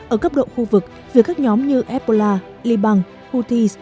ở cấp độ khu vực việc các nhóm như ebola liban houthis